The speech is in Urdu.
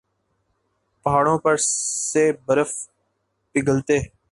پہاڑوں پر سے برف پگھلتے